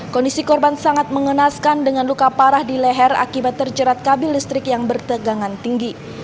kondisi korban sangat mengenaskan dengan luka parah di leher akibat terjerat kabel listrik yang bertegangan tinggi